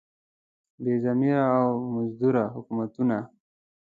بې ضمیره او مزدور حکومتونه.